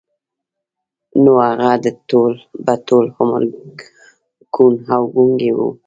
نو هغه به ټول عمر کوڼ او ګونګی و.